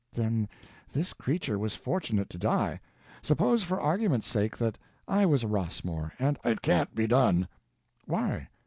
"Then this creature was fortunate to die! Suppose, for argument's sake, that I was a Rossmore, and—" "It can't be done." "Why?"